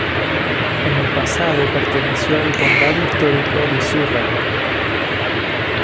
En el pasado perteneció al condado histórico de Surrey.